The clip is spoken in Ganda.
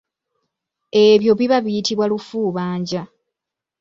Ebyo biba biyitibwa lufuubanja.